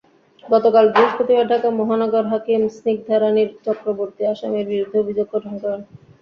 গতকাল বৃহস্পতিবার ঢাকা মহানগর হাকিম স্নিগ্ধা রানী চক্রবর্তী আসামির বিরুদ্ধে অভিযোগ গঠন করেন।